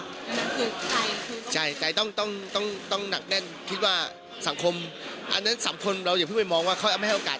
อันนั้นคือใครใช่แต่ต้องต้องหนักแน่นคิดว่าสังคมอันนั้นสังคมเราอย่าเพิ่งไปมองว่าเขาไม่ให้โอกาส